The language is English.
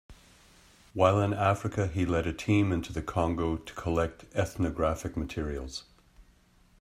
While in Africa, he led a team into the Congo to collect ethnographic materials.